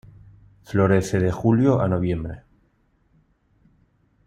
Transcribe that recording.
Florece de Julio a Noviembre.